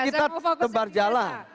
kita tebar jalan